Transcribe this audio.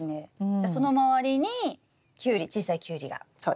じゃあその周りにキュウリ小さいキュウリがなる。